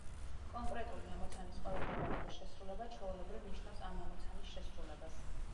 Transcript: კონკრეტული ამოცანის ყველა დავალების შესრულება ჩვეულებრივ ნიშნავს ამ ამოცანის შესრულებას.